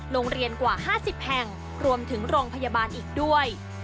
โรงเรียนกว่า๕๐แห่งรวมถึงโรงพยาบาลอีกด้วย